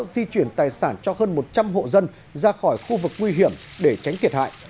di chuyển tài sản cho hơn một trăm linh hộ dân ra khỏi khu vực nguy hiểm để tránh kiệt hại